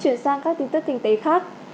chuyển sang các tin tức kinh tế khác